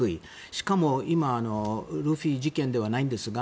しかも今ルフィ事件ではないんですが